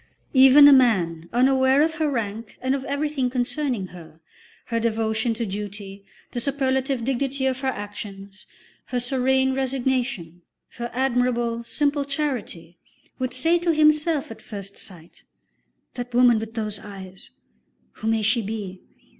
Even a man unaware of her rank and of everything concerning her, her devotion to duty, the superlative dignity of her actions, her serene resignation, her admirable, simple charity, would say to himself at first sight: "The woman with those eyes, who may she be?